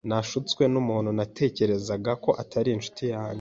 Nashutswe numuntu natekerezaga ko ari inshuti yanjye.